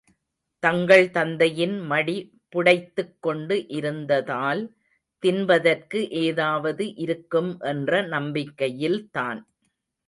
தங்கள் தந்தையின் மடி, புடைத்துக் கொண்டு இருந்ததால், தின்பதற்கு ஏதாவது இருக்கும் என்ற நம்பிக்கையில்தான்.